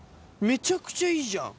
めちゃくちゃいいじゃん！